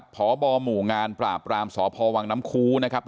พบหมู่งานปราบรามสพวงค